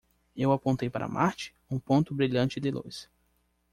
Eu apontei para Marte? um ponto brilhante de luz.